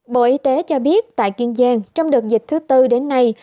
bộ y tế cho biết tại kiên giang trong đợt dịch thứ tư đến nay